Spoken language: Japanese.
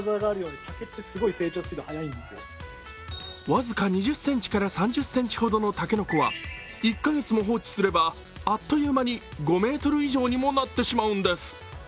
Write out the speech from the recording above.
僅か２０ｃｍから３０ｃｍほどの竹の子は１カ月も放置すれば、あっという間に５ｍ以上にもなってしまうんです。